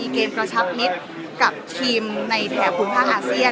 กระชปบังกับทีมในแถมภูมิภาคอาเซียน